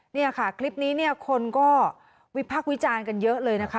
เนี่ยค่ะคลิปนี้เนี่ยคนก็วิพักษ์วิจารณ์กันเยอะเลยนะคะ